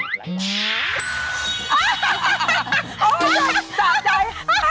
จากใจ